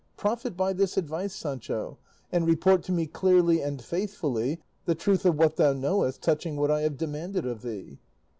Profit by this advice, Sancho, and report to me clearly and faithfully the truth of what thou knowest touching what I have demanded of thee."